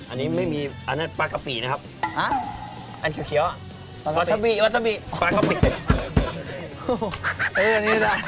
อันนี้ไม่มีอันนั้นปลากะฟี่นะครับอันเขียววาซับปีปลากะฟี่